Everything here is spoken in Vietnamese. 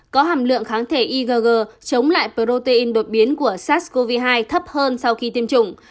có hàm lượng kháng thể igg chống lại protein đột biến của sars cov hai thấp hơn sau khi tiêm chủng